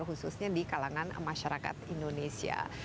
khususnya di kalangan masyarakat indonesia